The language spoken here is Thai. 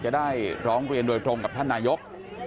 จะได้ร้องเรียนโดยตรงกับท่านนายก